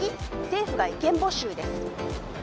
政府が意見募集です。